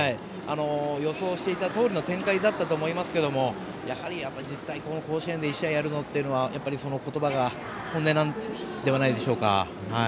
予想していたとおりの展開だったと思いますけどやはり実際に甲子園で１試合やるのはその言葉が本音なんではないでしょうか。